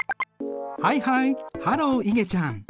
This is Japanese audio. はいはいハローいげちゃん。